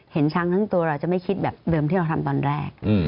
เห็นช้างทั้งตัวเราจะไม่คิดแบบเดิมที่เราทำตอนแรก